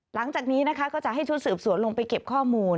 หลังจากนี้นะคะก็จะให้ชุดสืบสวนลงไปเก็บข้อมูล